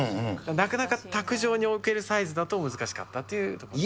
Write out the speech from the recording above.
なかなか卓上に置けるサイズだと難しかったっていうところです。